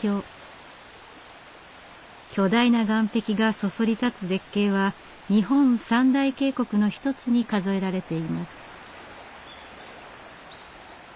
巨大な岩壁がそそり立つ絶景は日本三大渓谷の一つに数えられています。